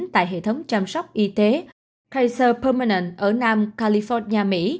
tại hệ thống chăm sóc y tế kaiser permanent ở nam california mỹ